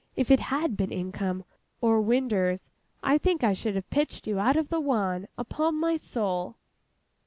If it had been income, or winders, I think I should have pitched you out of the wan, upon my soul!